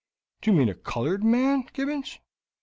"Do you mean a colored man, Gibbons?"